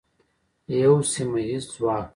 یو سیمه ییز ځواک.